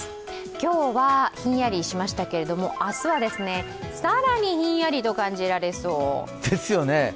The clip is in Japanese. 今日はひんやりしましたけれども、明日は更にひんやりと感じられそう。ですよね。